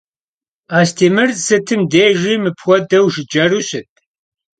Astêmır sıtım dêjji mıpxuedeu jjıceru şıt?